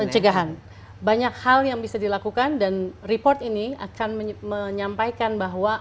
pencegahan banyak hal yang bisa dilakukan dan report ini akan menyampaikan bahwa